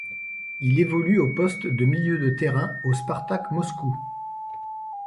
Il évolue au poste de milieu de terrain au Spartak Moscou.